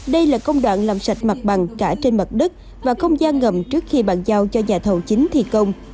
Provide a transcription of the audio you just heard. đây là công đoạn làm sạch mặt bằng cả trên mặt đất và không gian ngầm trước khi bàn giao cho nhà thầu chính thi công